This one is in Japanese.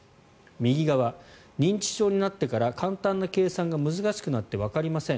右側、認知症になってから簡単な計算が難しくなってわかりません。